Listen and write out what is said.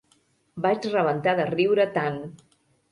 Vaig rebentar de riure tant!